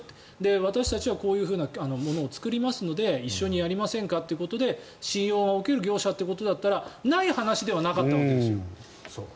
私たちはこういうものを作りますので一緒にやりませんかということで信用が置ける業者ということだったらない話ではなかったわけです。